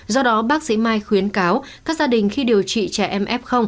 do đó bác sĩ mai khuyến cáo các gia đình khi điều trị trẻ em f